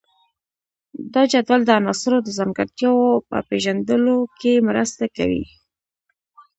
دا جدول د عناصرو د ځانګړتیاوو په پیژندلو کې مرسته کوي.